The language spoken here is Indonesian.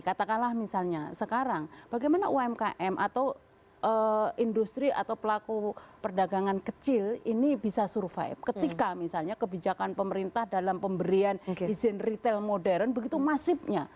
katakanlah misalnya sekarang bagaimana umkm atau industri atau pelaku perdagangan kecil ini bisa survive ketika misalnya kebijakan pemerintah dalam pemberian izin retail modern begitu masifnya